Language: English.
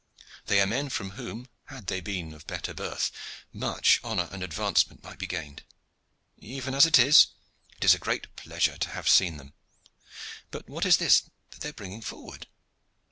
"They are men from whom, had they been of better birth, much honor and advancement might be gained. Even as it is, it is a great pleasure to have seen them. But what is this that they are bringing forward?"